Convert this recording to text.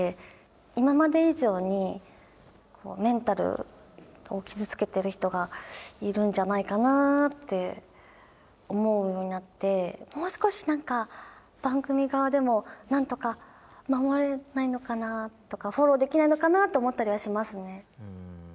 今まで以上にメンタルを傷つけてる人がいるんじゃないかなって思うようになってもう少し何か番組側でもなんとか守れないのかなとかフォローできないのかなと思ったりはしますね。